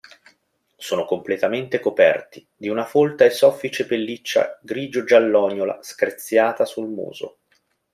Sono completamente coperti di una folta e soffice pelliccia grigio giallognola screziata sul muso.